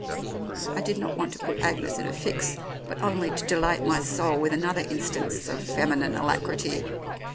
I did not want to put Agnes in a fix, but only to delight my soul with another instance of feminine alacrity.